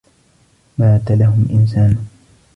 مَاتَ لَهُمْ إنْسَانٌ